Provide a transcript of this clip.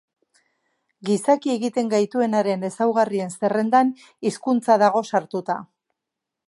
Gizaki egiten gaituenaren ezaugarrien zerrendan hizkuntza dago sartuta.